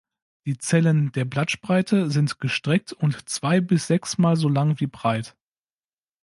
Die Zellen der Blattspreite sind gestreckt und zwei bis sechsmal so lang wie breit.